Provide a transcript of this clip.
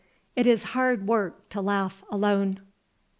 It is hard work to laugh alone."